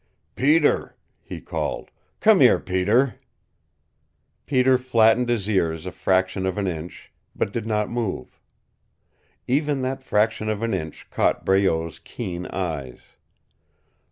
"Peter," he called. "Come here, Peter!" Peter flattened his ears a fraction of an inch, but did not move. Even that fraction of an inch caught Breault's keen eyes.